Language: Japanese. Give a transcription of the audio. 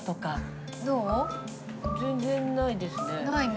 全然ないですね。